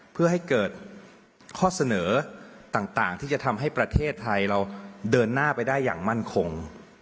เพื่อให้เกิดข้อเสนอต่างที่จะทำให้ประเทศไทยเราเดินหน้าไปได้อย่างมั่นคง